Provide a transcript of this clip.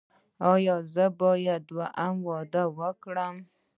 ایا زه باید دویم واده وکړم؟